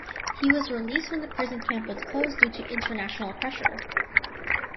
He was released when the prison camp was closed due to international pressure.